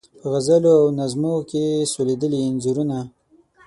په غزلو او نظمو کې سولیدلي انځورونه